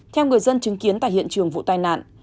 theo người dân chứng kiến tại hiện trường vụ tai nạn